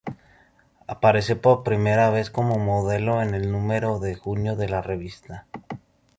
Apareció por primera vez como modelo en el número de junio de la revista.